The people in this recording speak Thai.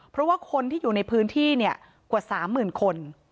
เพราะว่าคนที่อยู่ในพื้นที่กว่า๓๐๐๐คน